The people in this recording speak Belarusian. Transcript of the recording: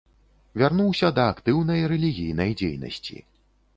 Вярнуўся да актыўнай рэлігійнай дзейнасці.